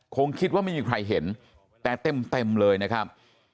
คงคิดว่าไม่มีใครเห็นแต่เต็มเลยนะครับ